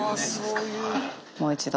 もう一度？